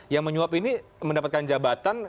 yang menyuap ini mendapatkan jabatan